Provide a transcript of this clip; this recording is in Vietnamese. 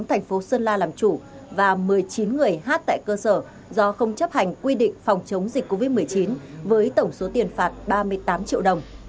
thành phố sơn la làm chủ và một mươi chín người hát tại cơ sở do không chấp hành quy định phòng chống dịch covid một mươi chín với tổng số tiền phạt ba mươi tám triệu đồng